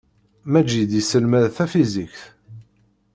Maǧid yesselmad tafizikt.